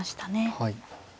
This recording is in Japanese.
はい。